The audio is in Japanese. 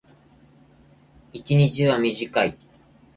一日は短い。